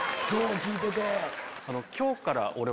聞いてて。